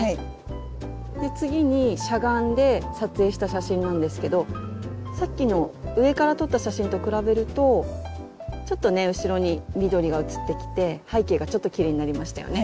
次にしゃがんで撮影した写真なんですけどさっきの上から撮った写真と比べるとちょっとね後ろに緑が写ってきて背景がちょっときれいになりましたよね。